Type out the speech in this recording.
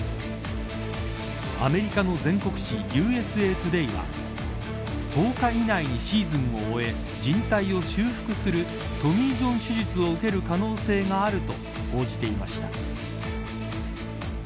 アメリカの全国紙ＵＳＡトゥデーは１０日以内にシーズンを終え靱帯を修復するトミー・ジョン手術を受ける可能性があると報じていました。